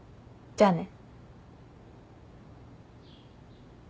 じゃあね。